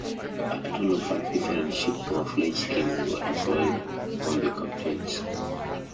A total of five different ship camouflage schemes were employed on the Captains.